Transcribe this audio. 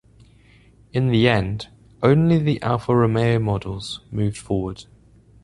In the end, only the Alfa Romeo models moved forward.